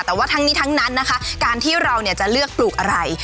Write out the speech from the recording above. แต่ว่าทั้งนี้ทั้งนั้นนะคะการที่เราจะเลือกปลูกอะไร